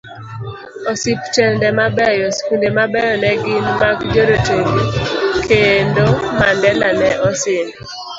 Osiptende mabeyo, skunde mabeyo negin magjorotenge, kendo Mandela ne osin